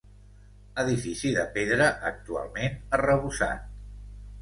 Edifici de pedra, actualment arrebossat.